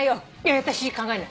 私考えない。